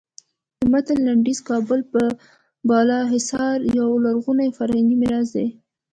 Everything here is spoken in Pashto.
د متن لنډیز کابل بالا حصار یو لرغونی فرهنګي میراث دی.